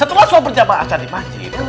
setelah selalu berjamaah selalu dipercint